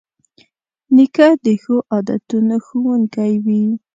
نیکه د ښو عادتونو ښوونکی وي.